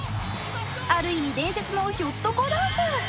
ある意味伝説のひょっとこダンス。